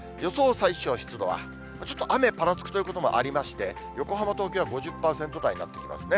最小湿度は、ちょっと雨ぱらつくということもありまして、横浜、東京は５０％台になってきますね。